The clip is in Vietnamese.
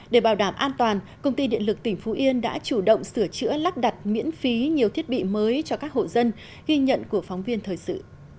để bảo đảm an toàn công ty điện lực tỉnh phú yên đã chủ động sửa chữa lắp đặt miễn phí nhiều thiết bị mới cho các hộ dân ghi nhận của phóng viên thời sự